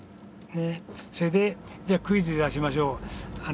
それでじゃあクイズ出しましょう。